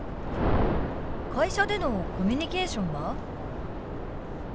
会社でのコミュニケーションは？